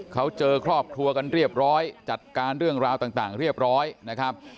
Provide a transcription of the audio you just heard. เขาเจอครอบครัวกันเรียบร้อยจัดการเรื่องราวต่างเรียบร้อยนะครับ